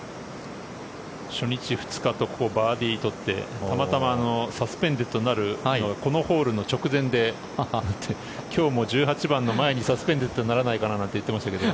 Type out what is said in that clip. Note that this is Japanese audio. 初日、２日とバーディー取ってたまたまサスペンデッドになるこのホールの直前で今日も１８番の前にサスペンデッドにならないかななんて言っていましたけど。